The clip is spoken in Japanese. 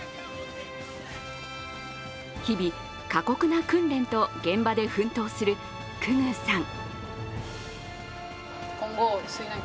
日々、過酷な訓練と現場で奮闘する久々宇さん。